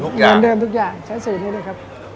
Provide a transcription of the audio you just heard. ไม่มีเลยครับเดิมทุกอย่างใช้สูตรนี้เลยครับ